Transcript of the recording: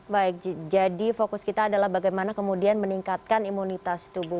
baik jadi fokus kita adalah bagaimana kemudian meningkatkan imunitas tubuh